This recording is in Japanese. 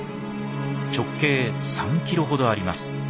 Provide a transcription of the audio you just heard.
直径３キロほどあります。